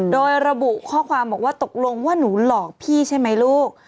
โดยระบุข้อความบอกว่าตกลงว่าหนูหลอกพี่ใช่ไหมลูก